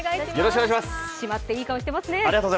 締まっていい顔してますね。